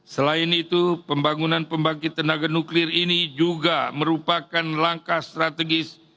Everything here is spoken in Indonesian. selain itu pembangunan pembangkit tenaga nuklir ini juga merupakan langkah strategis